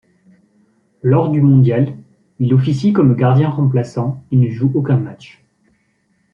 Lors du mondial, il officie comme gardien remplaçant et ne joue aucun match.